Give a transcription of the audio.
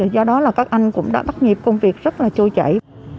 do đó là các anh cũng đã bắt nhịp công việc rất là trôi chảy